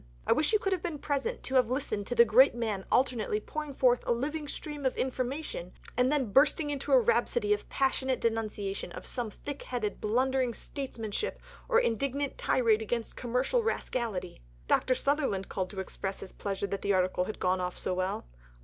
I wish you could have been present to have listened to the great man alternately pouring forth a living stream of information, and then bursting into a rhapsody of passionate denunciation of some thick headed blundering statesmanship or indignant tirade against commercial rascality." Dr. Sutherland called to express his pleasure that the article had gone off so well.